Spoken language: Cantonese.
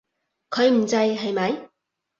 佢唔制，係咪？